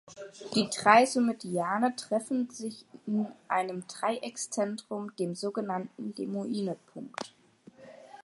Die drei Symmediane treffen sich in einem Dreieckszentrum, dem sogenannten Lemoinepunkt.